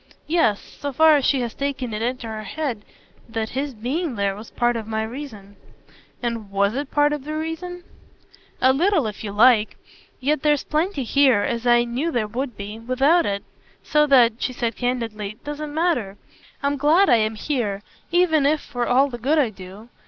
"Yes so far as she had taken it into her head that his being there was part of my reason." "And WAS it part of your reason?" "A little if you like. Yet there's plenty here as I knew there would be without it. So that," she said candidly, "doesn't matter. I'm glad I am here: even if for all the good I do